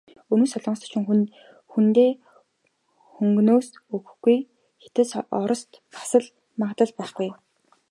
Өмнөд Солонгост очиж хүндээ хөнгөнөөс өгөхгүй, Хятад, Орост нь бас л магадлал байхгүй.